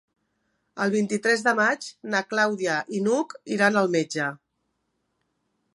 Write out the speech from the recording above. El vint-i-tres de maig na Clàudia i n'Hug iran al metge.